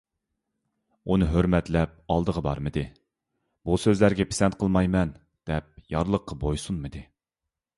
ئۇنى ھۆرمەتلەپ ئالدىغا بارمىدى، «بۇ سۆزلەرگە پىسەنت قىلمايمەن» دەپ يارلىققا بويسۇنمىدى.